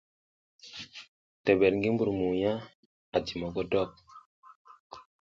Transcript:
Tebed ngi mbur mugna a ji mogodok.